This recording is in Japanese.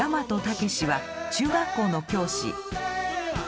猛は中学校の教師。